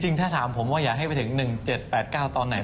ถ้าถามผมว่าอย่าให้ไปถึง๑๗๘๙ตอนไหน